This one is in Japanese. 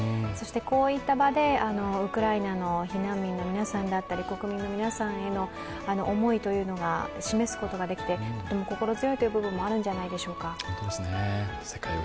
そして、こういった場でウクライナの避難民の皆さんだったり国民の皆さんへの思いというのが示すことができてとても心強いという部分もあるんじゃないでしょうか。